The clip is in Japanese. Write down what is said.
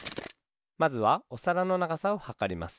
まずはおさらのながさをはかります。